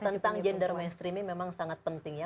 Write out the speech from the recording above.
tentang gender mainstreaming memang sangat penting ya